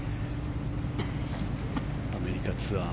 アメリカツアー